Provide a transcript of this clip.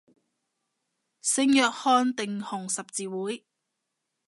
聖約翰定紅十字會